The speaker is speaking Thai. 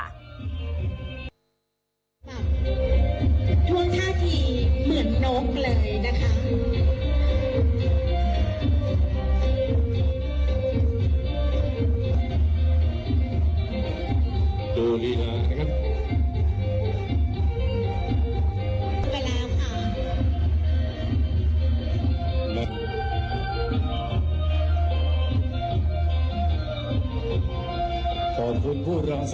ขอบคุณผู้แรงสรรคาแสดงครับ